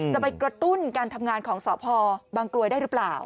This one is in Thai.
จะไปกระตุ้นการทำงานของสพบางกลวยได้หรือเปล่า